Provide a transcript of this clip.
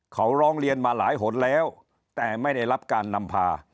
เขาร้องเรียนมาหลายหนแล้วแต่ไม่ได้รับการนำพา